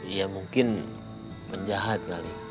ya mungkin menjahat kali